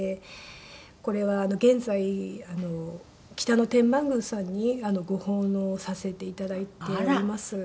これは現在北野天満宮さんにご奉納させて頂いております。